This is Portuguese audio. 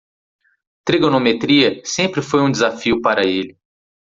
Trigonometria sempre foi um desafio para ele.